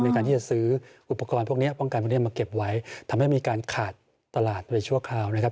ในการที่จะซื้ออุปกรณ์พวกนี้ป้องกันพวกนี้มาเก็บไว้ทำให้มีการขาดตลาดไปชั่วคราวนะครับ